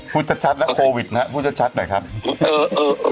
พูดชัดนะโควิดนะพูดชัดหน่อยครับเออเออ